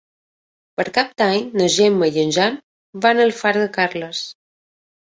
Per Cap d'Any na Gemma i en Jan van a Alfara de Carles.